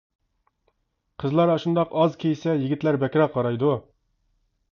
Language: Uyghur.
قىزلار ئاشۇنداق ئاز كىيسە يىگىتلەر بەكرەك قارايدۇ.